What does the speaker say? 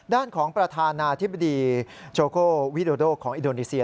ด้านของประธานาธิบดีโจโกวิโดโดของอินโดนีเซีย